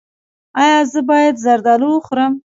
ایا زه باید زردالو وخورم؟